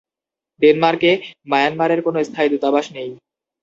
ডেনমার্কে, মায়ানমারের কোন স্থায়ী দূতাবাস নেই।